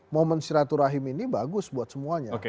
momen cerah turahim ini bagus buat semuanya